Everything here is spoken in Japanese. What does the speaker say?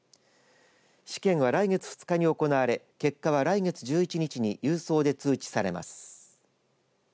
試験は来月２日に行われ結果は来月１１日に郵送で通知されます。